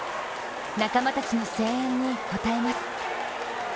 仲間たちの声援に応えます。